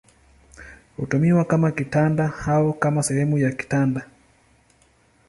Hutumiwa kama kitanda au kama sehemu ya kitanda.